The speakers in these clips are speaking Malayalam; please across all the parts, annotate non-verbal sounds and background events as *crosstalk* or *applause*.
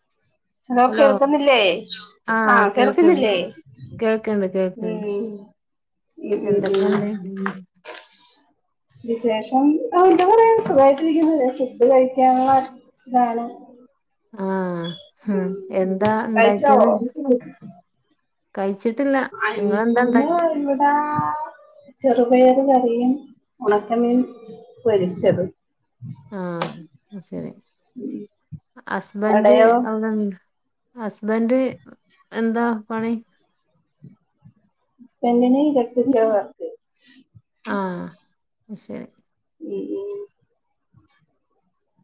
*inaudible* ഹലോ കേൾക്കുന്നില്ലേ ആഹ് കേൾക്കുന്നില്ലേ കേൾക്ക്ണ്ട് കേൾക്ക്ണ്ട് ഉം ഉം ഉം ഉം എന്തൊക്കെണ്ട് ഉം വിശേഷം ആന്താ പറയാ സുഖയിട്ടരിക്കുന്ന് ഫുഡ് കഴിക്കാൻ *unintelligible* താണു ആഹ് ഹ എന്താ കഴിച്ചോ ണ്ടാക്ക്യത്.? കയ്ച്ച്ട്ടില്ല ഇങ്ങളെന്താണ്ടാ ഇന്ന് ഇവിടാ ചെറുപയർ കറിയും ഉണക്കമീൻ പൊരിച്ചത് ആഹ് ശെരി ഹസ്ബൻന്റ് അവിടെയോ അവ്ടെ ഇ ഹസ്ബൻഡ് എന്താ പണി പെണ്ണിനേം കെട്ടിച്ചവർ ആഹ് ശെരി. ഈ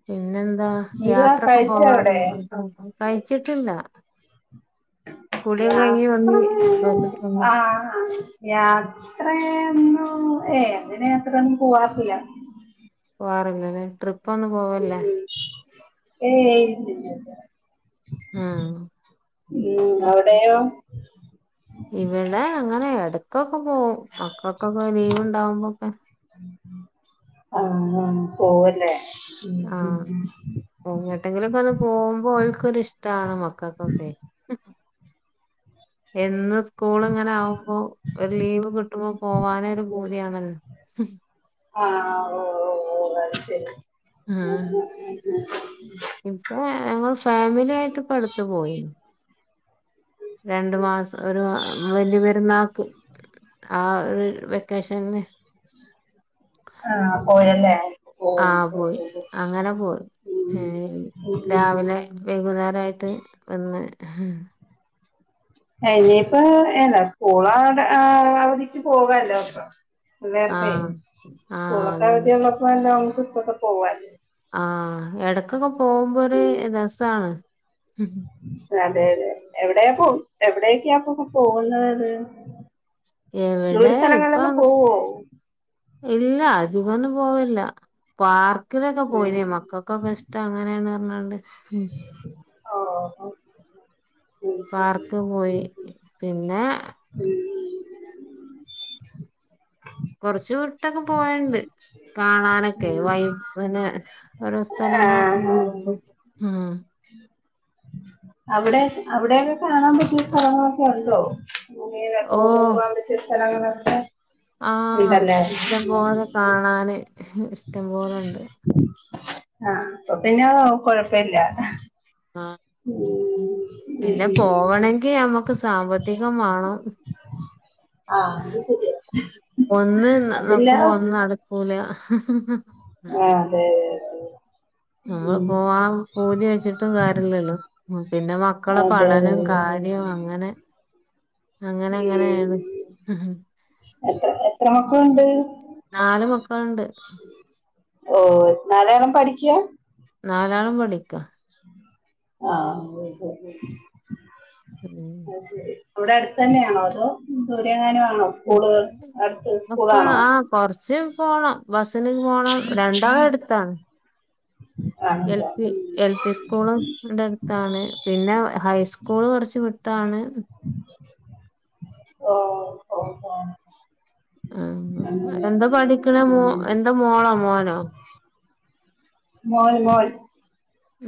പിന്നെന്താ എന്തുവാ യാത്രൊക്ക കഴിച്ചോ അവിടെ പോകാറുണ്ടോ കൈചിട്ട്ല്ലാ വന്ന് യാത്രൊന്നുല്ലേ വന്നിട്ടൊന്നും ആഹ് യാത്രെയെന്നും ഏ അങ്ങന യാത്രൊന്നും പോവാറില്ല. പോവാറില്ലല്ലേ ട്രിപ്പ് ഒന്നും പോവല്ലേ ഏയ് ഇല്ലില്ല ആഹ് അത് ശരി അവിടെയോ ഇവിടെ അങ്ങനെ എടക്കൊക്കെ പോവും മക്കക്കൊക്കെ ലീവിണ്ടാവുംമ്പൊക്കെ. ആ ഹാ പോവല്ലേ? എങ്ങട്ടെങ്കിലൊക്ക ഒന്ന് പോംമ്പോ ഓൽക് ഒരിഷ്ട്ടാണ് മക്കക്കൊക്കെ ഹും എന്നു സ് സ്കൂള് ഇങ്ങനാവുംമ്പോ ഒരു ലീവ് കിട്ടുംമ്പോ പോവാനെ ഒരു പൂതിയാണല്ല ആ ഓ ഓ ഓ അത് ശെരി. ഇപ്പ ഞങ്ങള് ഫാമിലിയായിട്ട് ഇപ്പ അടുത്ത് പോയിനി. രണ്ട് മാസ ഒരു മാ വെല്ല്യ പെര്ന്നാക്ക്. ആഹ് വെക്കേഷന് ആഹ് പോയല്ലേ ഓ ഹൊ പോയി ഹൊ ഹോ അങ്ങനെ പോയി രാവിലെ വൈകുന്നേരായിട്ട് വന്ന് ഇനിയിപ്പ ഏന സ്കൂളാട അവധിക്ക് പോകാല്ലോപ്പ പിള്ളേർടെ ആഹ് സ്കൂളക്കെ അതാണ് അവിധി ഉള്ളപ്പ ലോങ്ങ്‌ ട്രിപ്പൊക്കെ പോവാർന്നു ആഹ് എടക്കൊക്കെ പോംമ്പോഴു രസാണ് അതെ അതെ എവിടെയാ പോ എവിടെക്കാപ്പൊ പോണത് ദൂര എവിടെ ഇപ്പൊ സ്ഥലങ്ങളിലൊക്ക പോവോ ഇല്ല അധികൊന്നും പോവില്ലാ പാർക്കിലൊക്ക ഉം പോയിനേ മക്കക്കൊക്കെ ഇഷ്ടം അങ്ങനെയാണന്ന് പറഞ്ഞാണ്ട് ഉം ഓ ഹൊ പാർക്ക് പോയി പിന്നാ ഉം കൊറച്ചു വിട്ടൊക്ക പോയണ്ട് കാണാനൊക്കെ വൈ പിന്നെ ഓരോ ആഹ് സ്ഥലങ്ങളക്ക *unintelligible* ഉം അവിടെ അവിടെക്ക കാണാൻ പറ്റിയ സ്ഥലങ്ങളൊക്കെ ഒണ്ടോ ഈ തോടും ഓഹ് കൊറച്ച് സ്ഥലങ്ങളൊക്കെ ആഹ് ഉണ്ടല്ലേ ഇഷ്ടംപോലെ കാണാന് ഇഷ്ടംപോലൊണ്ട് ആഹ് അപ്പൊ പിന്ന കൊഴപ്പില്ല ആ ഉം ഉം പിന്നെ ഉം പോവണെങ്കി നമുക്ക് സാമ്പത്തികം വാണം ആഹ് അത് ശെരിയ ഒന്ന് നോക്കുംമ്പോ ഒന്ന് നടക്കൂല ഹ് ഹ് ആ അതെ അതെ നമ്മൾ പോവാൻ പൂതി വെച്ചിട്ടും കാരൃല്ലല്ലോ ഉം പിന്നെ മക്കളെ അതെ അതെ പഠനം കാര്യം അങ്ങനെ അങ്ങനെ ഉം അങ്ങനെയാണ് ഹ് ഹും എത്ര എത്ര മക്കളൊണ്ട് നാല് മക്കളൊണ്ട് ഓ നാലാളും പഠിക്കാ നാലാളും പഠിക്കാ ആഹ് പഠിക്കാല്ലേ ഉം ശെരി ഇവിടെ അടുത്തന്നെയാണോ അതോ ദൂരങ്ങാനം ആണോ സ്കൂൾ അടുത്ത് സ്കൂളാണോ കൊർച്ച് പോണം ബസ്സിനും പോണം രണ്ടാളടുത്താണ് എൽ ആണല്ലേ പി ഉം എൽ പി സ്കൂളുംന്റെ അടുത്താണ് പിന്നെ ഹൈസ്കൂള് കുറച്ച് വിട്ടാണ് ഓ ഓ ഒ ആ എന്താ പഠിക്ക്ണ് മോ ഉം എന്താ മോളോ മോനോ മോൾ മോൾ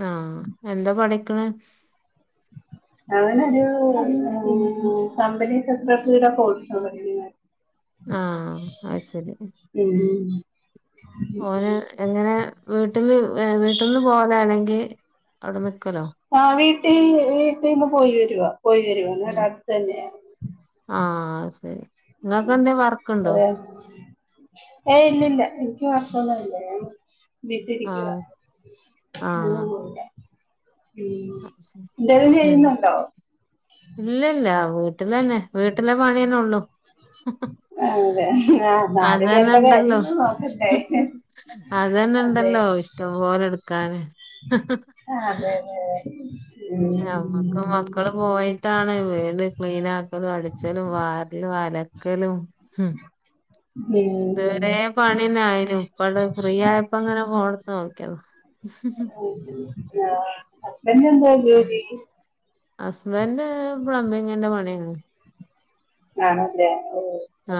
ആഹ്എന്താ പഠിക്ക്ണ് അവനൊരു കമ്പനി സെക്രട്ടറിയുടെ കോഴ്‌സാ പടിക്കുന്നേ ആഹ് അത് ശരി *unintelligible* ഓന് എങ്ങനെ വീട്ടില് വീട്ടിന്ന് പോവാല അല്ലെങ്കി അവിടെ നിക്കലോ ആ വീട്ടിൽ വീട്ടിൽന്ന് പോയി വരുവാ പോയി വരുവാ ന്നിട്ട് അട്ത്തന്നെയാ ആഹ് അത്‌ സെരി ഇങ്ങക്ക് എന്തേ വർക്കുണ്ടോ അതെ ഏയ് ഇല്ല ഇല്ല എനിക്ക് വർക്കൊന്നും ഇല്ല വിട്ടിരിക്കുവാ ആഹ് ആഹ് നല്ലോണം ഉം എന്തേലും ചെയ്യുന്നുണ്ടോ ഇല്ലല്ല വീട്ടിലെന്നെ വീട്ടിലെ പണിന്നെ ഉള്ളു അതെ ഹ് ആ അതന്നെ നാലുപേരുടെ കാര്യം നോക്കണ്ടേ അതെന്നെ അതെ ഇണ്ടല്ലോ ഇഷ്ടംപോലെ ഇടുക്കാന് ആ അതെതെ അതെ ഞാമ്മക്കും ഉം മക്കള് പോയി- ട്ടാണ് വീട് ക്ലീനാക്കലും അടിച്ചലും വാരലും അലക്കലും മ്മ് ഉം ഇതുവെരേ പണിന്നായിനു ഇപ്പട് ഫ്രീ ആയപ്പോ അങ്ങനെ ഫോണ്ട്ത്ത് നോക്കിയത മ്മ് ഹസ്ബന്റ് എന്താ ജോലി ഹസ്ബൻഡ് പ്ലംബിങ്ങിന്റെ പണിയാണ് ആണല്ലെ ഓ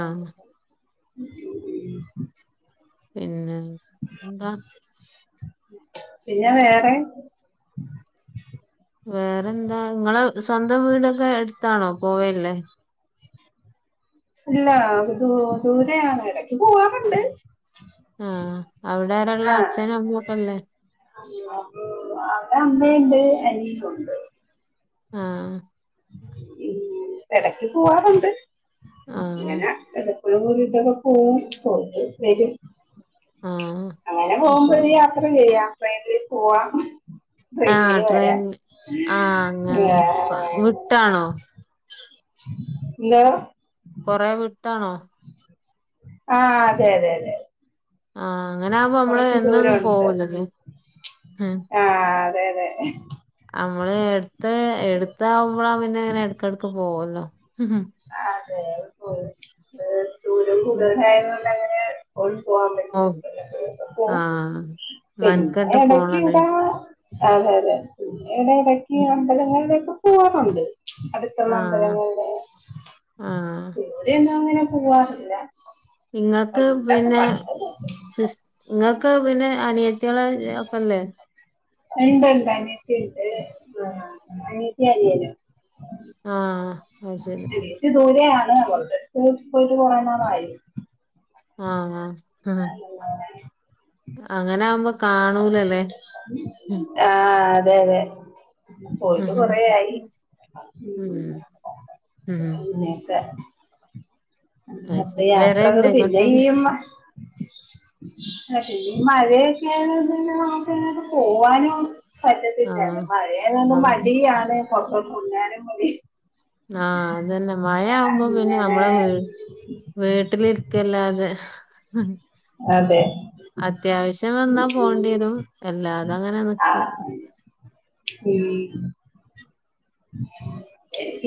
ആഹ് പിന്നെ എന്താ *inaudible* പിന്നെ വേറെ വേറെന്താ നിങ്ങളെ സ്വന്തം വീടൊക്കെ അടുത്താണോ പോവല്ലേ ഇല്ല ദൂ ദൂരെയാണ് എടക്ക് പോവാറുണ്ട് ആഹ് അവിടെ ആരാള്ളെ ആഹ് അച്ഛനും അമ്മേം ഒക്കെല്ലേ അവിടെ അമ്മുണ്ട് അനിയാനുംണ്ട് ആഹ് എടയ്ക്ക് പോവാറുണ്ട് ആഹ് ഇങ്ങനെ ഒഴിവ് കിട്ടുമ്പൊ പോകും പോയിട്ട് വെരും ആഹ് അങ്ങനെ അയ്ശരി പോമ്പഴ് യത്ര ചെയ്യ ട്രൈയിനിൽ പോവാ ആഹ് ട്രെയിൻ ആഹ് അങ്ങനെ പ്പ ആഹ് വിട്ടാണോ എന്തോ കൊറെ വിട്ടാണോ *unintelligible* ആഹ് അതെ തെ അതെ ആഹ് അങ്ങനെ ആകുമ്പോ നമ്മള് കൊറച്ച് എന്നൊന്നും ദൂരമുണ്ട് പോകൂലല്ലേ എഹ് ആഹ് അതെ അതെ നമ്മള് എടുത്ത് എടുത്ത് ആകുമ്പോഴാ പിന്നെ ഇങ്ങനെ എടക്ക് എടക്ക് പോവല്ലോ ആഹ് അതെ പോ ദൂരം ശരി കൂടുതലായതുകൊണ്ട് അങ്ങനെ ഓടി ഓ പോവാൻപറ്റില്ലല്ലോ ഇടക്ക് പോകും ആഹ് പിന്നെ മനക്കെട്ട് ഇടക്ക് പോണല്ലേ ഇടാ അതെ അതെ പിന്നെ ഇവടെ ഇടക്ക് ഉം അമ്പലങ്ങളിലൊക്കെ പോവാറുണ്ട് അടുത്തുള്ള ആഹ് അമ്പലങ്ങളില് ആഹ് ഇവിടെ ഒന്നും അങ്ങനെ പോവാറില്ല നിങ്ങക്ക് പണ്ടൊക്കെ പിന്നെ പണ്ടൊക്കെ സിസ് ങ്ങക്ക് പിന്നെ അനിയത്ത്യള് ഒക്കെല്ലേ. ഇണ്ട് ണ്ട് അനിയത്തിണ്ട് ആ അനിയത്തി അനിയനും. ആഹ് അ ശെരി. സീറ്റ് ദൂരെയാണ് അവൾടെ അടുത്ത് പോയിട്ട് കൊറെനാളായി. ആഹ് ആഹ് ആഹ് അങ്ങനെ അങ്ങനാവുമ്പൊ കാണൂല ലേ. ആഹ് അതെ അതെ. പോയിട്ട് ഉം കൊറെയായി ഉം ഉം ഇന്നേക്ക്. അത് ശരി *unintelligible* യാത്രകള് വരല്ലേ ഇങ്ങോട്ടൊന്നും പിന്നെയിമ്മ ആഹ് പിന്നീ മഴയൊക്കെ നമക്കങ്ങട്ട് പോവാനു. ആഹ് പറ്റത്തില്ലന്ന് മഴയായതുകൊണ്ട് ആഹ് മടിയാണ് പൊർത്തോട്ട്ർങ്ങാനും മടി. ആഹ് അതന്നെ മയാവുമ്പ പിന്നെ അങ്ങനെ നമ്മളെ വീ - *inaudible* വീട്ടിലിര്ക്കല്ലാതെ. അതെ. അത്യാവശ്യം വന്നാ പോണ്ട്യരും എല്ലാതങ്ങനെ ന്ന്ക്കും. ആഹ് ഉം.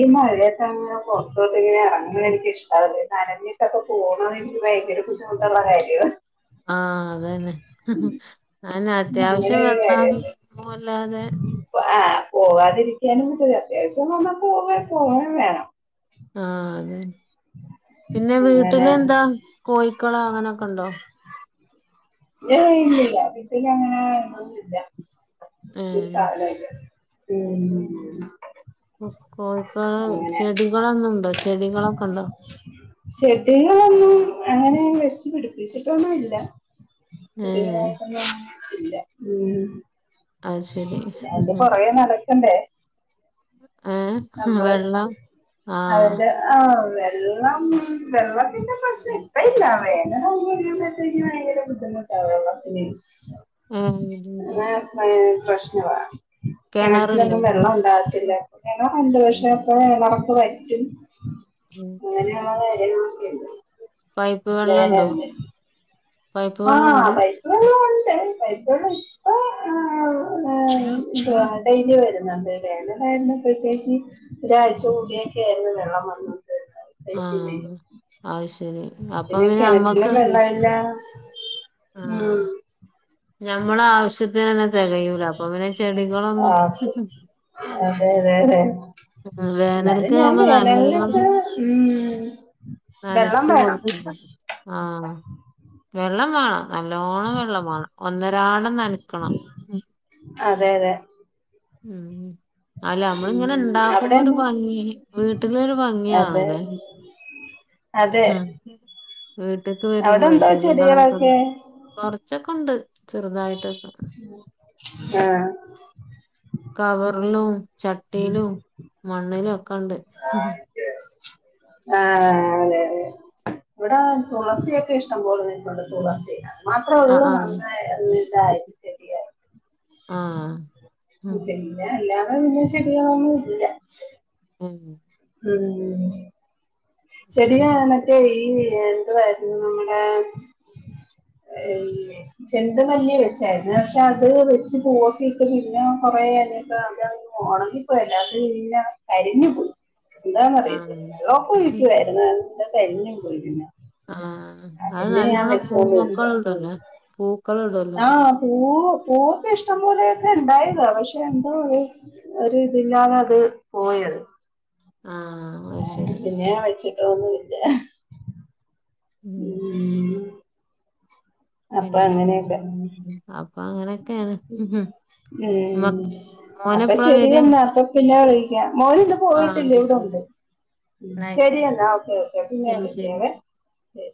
ഈ മഴയത്തങ്ങനെ പൊർത്തോട്ട്ങ്ങനെ എറങ്ങണെ എനിക്ക് ഇഷ്ടവല്ല ഈ നനഞ്ഞ്. ട്ടക്കെ പോണതെനിക്ക് ഭയങ്കര ബുദ്ധിമുട്ടുള്ള കാര്യവ. ആഹ് അത് തന്നെ അന്നെ അങ്ങനെ അത്യാവശ്യം വന്നാ പോവല്ലാതെ. ബ ആഹ് പോവാതിരിക്ക്യാനും പറ്റൂല്ല അത്യാവശ്യം വന്നാ പോവെ പോവേം വേണം. ആഹ് അതെ പിന്നെ അങ്ങനെ വ്ട്ടില് എന്താ കോയ്ക്കളോ അങ്ങനൊക്കണ്ടോ. ഏയ് ഇല്ലില്ല വീട്ടിലങ്ങനെ ഒന്നുല്ല ഈ ഏഹ് കലായ്ട്ട്. ഉം. ഒ കോയ്ക്കള് അങ്ങനെ ചെടികളൊന്നുംണ്ടോ ചെടികളൊക്കണ്ടോ? ചെടികളൊന്നും അങ്ങനെ വെച്ചു പിടിപ്പിച്ചിട്ടൊന്നു ഇല്ല. ഏഹ് പുതിയതായിട്ടൊന്നും ഇല്ല ഉം. അത് ശരി അതിന്റ പൊറകെ നടക്കണ്ടേ. ഏഹ് നമ്മള് വെള്ളം ആഹ് അയ്ന്റെ. ആഹ് വെള്ളം വെള്ളത്തിന്റെ പ്രശ്നം ഇപ്പ ഇല്ല വേനലാവുമ്പോ *unintelligible* ഭയങ്കരം. ബുദ്ധിമുട്ടാ വെള്ളത്തിന്‌ ഏഹ് *unintelligible* പ്രശ്നവാ. കിണറില്ലേ കെണറ്റിലൊന്നും വെള്ളം ഉണ്ടാകത്തില്ല ഉം കെണറുണ്ട് പക്ഷെ. *unintelligible* നടപ്പുറ അറ്റും. ഉം. ങ്ങനെയുള്ള കാര്യങ്ങളൊക്കെണ്ട് പൈപ്പ് വെള്ളണ്ടോ വേനൽല്. പൈപ്പ് ആഹ് വെള്ളണ്ട് പൈപ്പ് വെള്ളം ഉണ്ട് പൈപ്പ് വെള്ളം ഇപ്പൊ ഏഹ്. ആഹ് ഏയ് ഇത്‌വാണ്ടേയ്നി വെരുന്നു ഇണ്ടല്ലെ ഇവടായിരുന്നപ്പോത്തേക്ക് ഒരാഴ്ച കൂടിയൊക്കെ ആയിര്ന്നു വെള്ളം വന്നത് *unintelligible* ആഹ് അത് സരി അപ്പ പിന്നെ അമ്മക്ക്. കിണറ്റിലും വെള്ളമില്ല ഉം. ഞമ്മളാവുസ്യത്തിനെന്നെ തെകയൂല അപ്പൊ പിന്നെ ചെടികളൊന്നും. ആഹ് അതെ അതെതെ. എന്നാലും വേനൽക്ക് ഞാ ആവുമ്പോ വേനൽലൊക്കെ നല്ലോണം ഉം. വെള്ളം നനച്ച് വേണം. കൊടുക്കണം ആഹ് വെള്ളം വേണം നല്ലോണം വെള്ളം വേണം ഒന്നരാടം ന്നൻക്കണം. അതെ അതെ. ഉം ഉം. അല്ല ഉം അമ്മള്ങ്ങനെ ണ്ടാക്കുമ്പരു അവിടെന്നെ ഭംഗി വീട്ട്ല് ഒരു ഭംഗിയാണ് അതെ ലേ. അതെ ഉം വീട്ട്ക്ക് അവിടെ വരുമ്പളേ എന്തോ ചെടികളൊക്കൊന്ന്. ചെടികളൊക്കെ കൊർച്ചൊക്കെണ്ട് ചെറുതായി ആഹ്. കവർലും ചട്ടീലും മണ്ണിലും ഒക്കണ്ട്. ആഹ് അതെലേ ഇവ്ടെ തുളസിയൊക്കെ ഇഷ്ടംപോലെ നിൽപ്പുണ്ട് തുളസി മാത്രമേ ആ ഉള്ളൂ ആ നന്നായി ഇണ്ടായി ആഹ് പിന്നെ അല്ലാതെ പിന്നെ ചെടികളൊന്നും ഇല്ല ഉം ഉം ചെടി ശരി ഞാൻ മറ്റേ ഈ എന്തു വായിരുന്നു നമ്മടെ എല്ലേ ജെണ്ടുമല്ലി വെച്ചായിരുന്നു പക്ഷെ അത് വെച്ച് പൂവൊക്കിട്ട് പിന്നെ കൊറെ കഴിഞ്ഞപ്പം അത് ഒണങ്ങിപ്പോയതല്ലാത് കരിഞ്ഞു പോയി ആ എന്താന്നറിയത്തില്ല *unintelligible* ഉം അത് പിന്നെ കരിഞ്ഞും പോയ് പിന്നെ ആഹ് അത് പിന്നെ ഞാൻ നല്ലോണ്ണം വെച്ചോണ്ട് പൂവൊക്കെ നിക്കുവാ ഇടുല്ലേ പൂക്കളിടൂലേ ആഹ് പൂവ് പൂവൊക്കെ ഇഷ്ടം പോലെക്കെ ഇണ്ടായതാ പക്ഷെ എന്തോ ഒരിതില്ലാതത് പോയത് ആ അത് ആഹ് ശരി പിന്നെ വെച്ചിട്ടൊന്നില്ല ഉം മ് *unintelligible* മ ഉം അപ്പൊ മോനെപ്പളാ വരാ ശരിയെന്നാ അപ്പൊ പിന്നെ വിളിക്ക്യാം മോളെന്താ ആ പോയിട്ടില്ല ശരി ശരി ഇവിടെണ്ട് ഉം എന്നാ ആയിക്കോട്ടെ ശരിയെന്നാ ഓക്കേ ഓക്കെ പിന്നെ ശരി ശരി വിളിക്കാവേ ശെരി